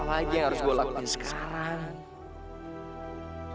apalagi yang harus gue lakukan sekarang